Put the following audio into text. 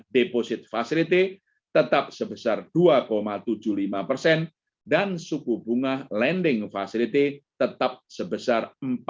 deposit facility tetap sebesar dua tujuh puluh lima persen dan suku bunga lending facility tetap sebesar